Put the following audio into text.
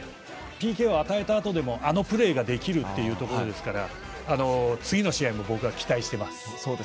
ＰＫを与えたあとでもあのプレーができますから次の試合も、僕は期待してます。